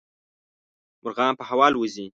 مرغان په هوا الوزي.